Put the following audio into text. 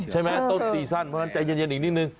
ใช่ไหมต้นซีซั่นเพราะฉะนั้นใจเย็นอีกนิดนึง